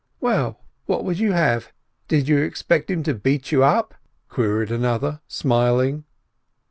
"Well, what would you have? Did you expect him to beat you?" queried another, smiling.